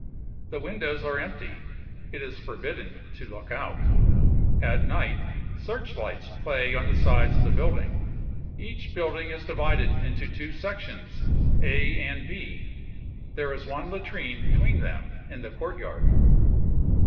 The windows are empty : it is forbidden to look out. At night search lights play on the sides of the building. Each building is divided into two sections, A and B ; there is one latrine between them in the courtyard.